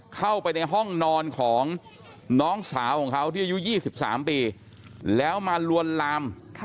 เข้าไปในห้องนอนของน้องสาวของเขาที่อายุ๒๓ปีแล้วมาลวนลาม